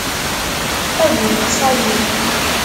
A bu lexṣayel.